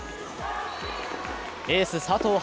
エース・佐藤遥